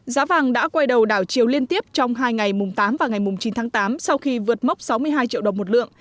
giá vàng đã quay đầu đảo chiều liên tiếp trong hai ngày mùng tám và ngày mùng chín tháng tám sau khi vượt mốc sáu mươi hai triệu đồng một lượng